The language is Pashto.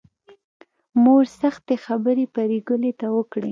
مور سختې خبرې پري ګلې ته وکړې